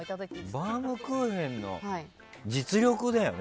バウムクーヘンの実力だよね。